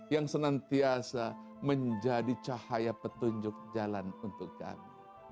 yang senantiasa menjadi cahaya petunjuk jalan untuk kami